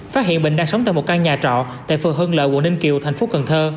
phát hiện bình đang sống tại một căn nhà trọ tại phường hân lợi quận ninh kiều tp cn